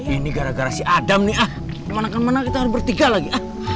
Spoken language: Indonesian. ini gara gara si adam nih ah kemana kemana kita harus bertiga lagi